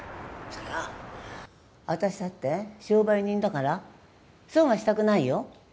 そりゃ私だって商売人だから損はしたくないよ。